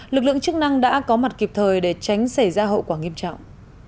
lực lượng chức năng đã có mặt kịp thời để tránh xảy ra hậu quả nghiêm trọng